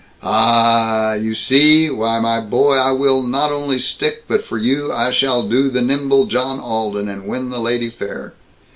"Aaaaaaah! You see! Why, my boy, I will not only stick, but for you, I shall do the nimble John Alden and win the lady fair.